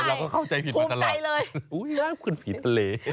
เราเข้าใจผิดมาตลอดคุณผีทะเล